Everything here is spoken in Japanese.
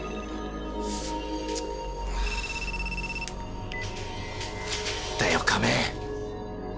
何だよ亀！